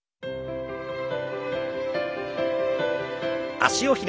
脚を開きます。